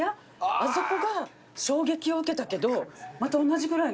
あそこが衝撃を受けたけどまた同じぐらいの。